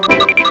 satu dua tiga